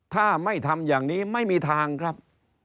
ถ้าไม่ทำอย่างนี้ไม่มีทางครับ